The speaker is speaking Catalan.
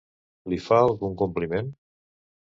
Li fa algun compliment?